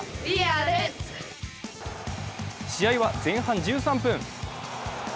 試合は前半１３分。